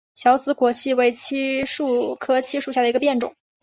小紫果槭为槭树科槭属下的一个变种。